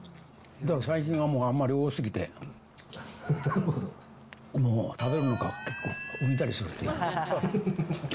だから最近はもうあんまり多すぎてもう食べるのが結構うんざりするっていうか。